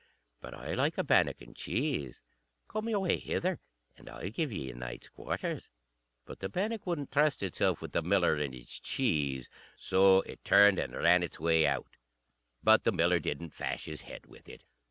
But I like a bannock and cheese. Come your way hither, and I'll give ye a night's quarters." But the bannock wouldn't trust itself with the miller and his cheese. So it turned and ran its way out; but the miller didn't fash his head with it.